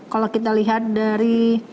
kalau kita lihat dari